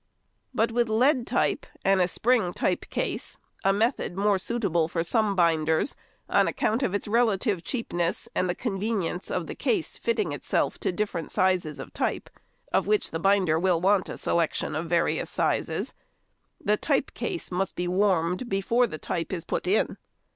But with lead type and a spring type case (a method more suitable for some binders on account of its relative cheapness and the convenience of the case fitting itself to the different sizes of the type, of which the binder will want |129| a selection of various sizes), the type case must be warmed before the type is put in.